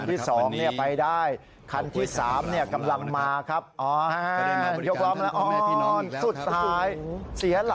อีสอย่างเป็นอย่างหมายได้